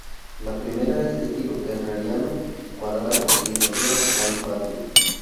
La primera es de estilo herreriano, cuadrado y rodea a un patio.